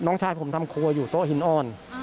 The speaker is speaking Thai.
ชายผมทำครัวอยู่โต๊ะหินอ่อน